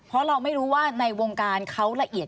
เพราะเราไม่รู้ว่าในวงการเขาละเอียด